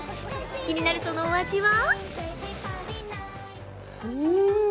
気になるそのお味は？